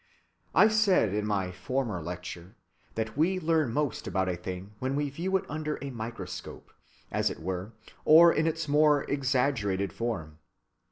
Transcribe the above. I said in my former lecture that we learn most about a thing when we view it under a microscope, as it were, or in its most exaggerated form.